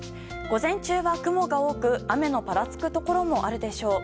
午前中は雲が多く雨のぱらつくところもあるでしょう。